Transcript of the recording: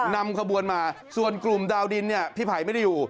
นำขบวนมาส่วนกลุ่มดาวดินเนี่ยพี่ไผ่ไม่ได้อยู่